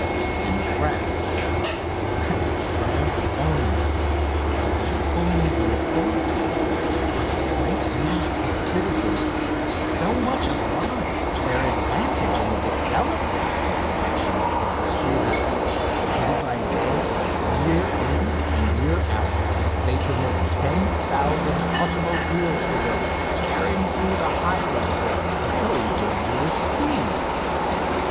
In France, and in France only, are not only the authorities, but the great mass of citizens, so much alive to their advantage in the development of this national industry that, day by day, year in and year out, they permit ten thousand automobiles to go tearing through the highroads at a really dangerous speed.